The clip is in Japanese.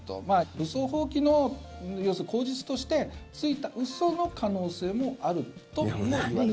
武装蜂起の口実としてついた嘘の可能性もあるともいわれていますね。